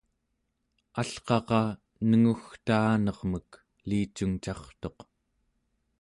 alqaqa nengugtaanermek elicungcartuq